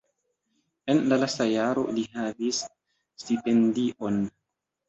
En la lasta jaro li havis stipendion.